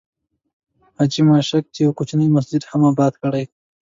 حاجي ماشک یو کوچنی مسجد هم آباد کړی.